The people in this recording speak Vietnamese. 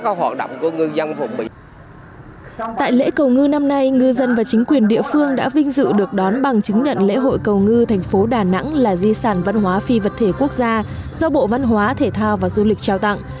tại lễ cầu ngư năm nay ngư dân và chính quyền địa phương đã vinh dự được đón bằng chứng nhận lễ hội cầu ngư thành phố đà nẵng là di sản văn hóa phi vật thể quốc gia do bộ văn hóa thể thao và du lịch trao tặng